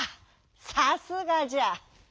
さすがじゃ！